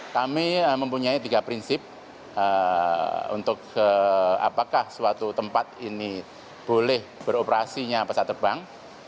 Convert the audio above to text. kami mempunyai tiga prinsip untuk apakah suatu tempat ini boleh beroperasinya pesawat terbang